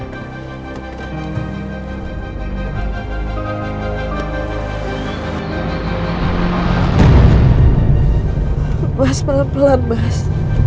mas malah pelan pelan mas